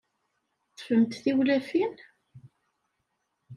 Teṭṭfem-d tiwlafin?